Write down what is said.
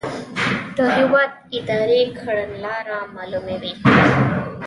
د هیواد اداري کړنلاره معلوموي.